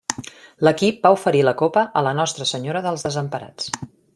L'equip va oferir la Copa a la Nostra Senyora dels Desemparats.